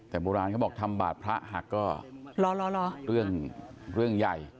แต่โบราณเขาบอกทำบาดพระหักก็รอเรื่องใหญ่